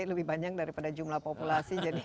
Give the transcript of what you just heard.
lebih banyak daripada jumlah populasi